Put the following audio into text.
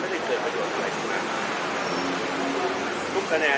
เป้าหมายที่มันไม่ได้เกิดประโยชน์ในทุกการนะฮะ